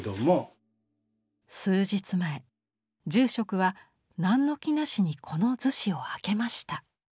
数日前住職は何の気なしにこの厨子を開けました。